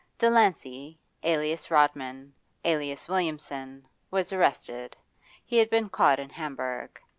Delancey, alias Rodman, alias Williamson, was arrested; he had been caught in Hamburg.